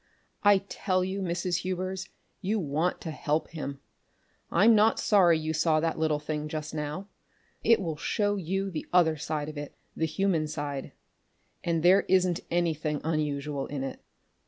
I tell you, Mrs. Hubers, you want to help him! I'm not sorry you saw that little thing just now. It will show you the other side of it the human side. And there wasn't anything unusual in it.